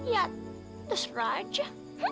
ya terus raja